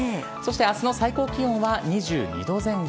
明日の最高気温は２２度前後。